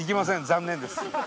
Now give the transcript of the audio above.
残念です。